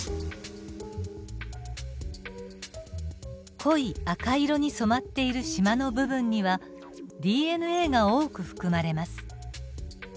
濃い赤色に染まっているしまの部分にはＤＮＡが多く含まれます。